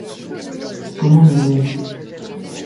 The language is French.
Comment le nommez-vous ?